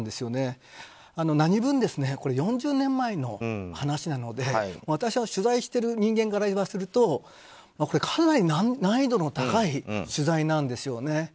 何分、４０年前の話なので私、取材している人間から言わせるとこれは、かなり難易度の高い取材なんですよね。